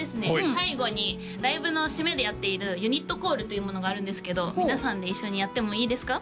最後にライブの締めでやっているユニットコールというものがあるんですけど皆さんで一緒にやってもいいですか？